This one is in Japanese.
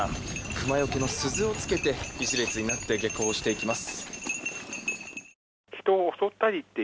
クマよけの鈴をつけて１列になって下校していきます。